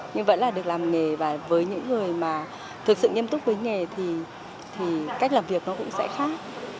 nhưng vẫn là được làm nghề và với những người mà thực sự nghiêm túc với nghề thì cách làm việc nó cũng sẽ khác